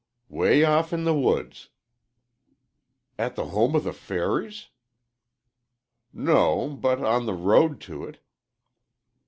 "Way off in the woods." "At the home of the fairies?" "No, but on the road to it."